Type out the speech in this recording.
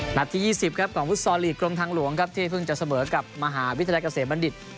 ที่๒๐ครับของฟุตซอลลีกกรมทางหลวงครับที่เพิ่งจะเสมอกับมหาวิทยาลัยเกษมบัณฑิต